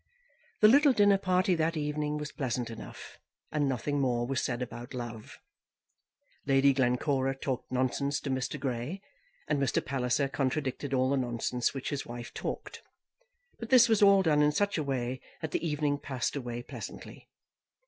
The little dinner party that evening was pleasant enough, and nothing more was said about love. Lady Glencora talked nonsense to Mr. Grey, and Mr. Palliser contradicted all the nonsense which his wife talked. But this was all done in such a way that the evening passed away pleasantly.